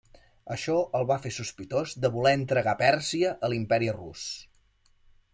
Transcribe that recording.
Això el va fer sospitós de voler entregar Pèrsia a l'Imperi Rus.